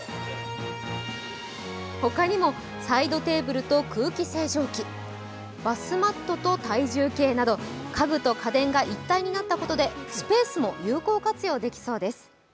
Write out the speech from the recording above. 他にもサイドテーブルと空気清浄機バスマットと体重計など家具と家電が一体になったことでスペースも有効活用できそうです。